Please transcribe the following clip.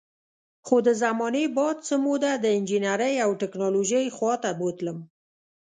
خو د زمانې باد څه موده د انجینرۍ او ټیکنالوژۍ خوا ته بوتلم